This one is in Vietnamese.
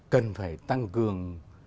cần phải tăng cường